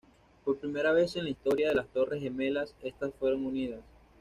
Por primera vez en la historia de las torres gemelas, estas fueron unidas.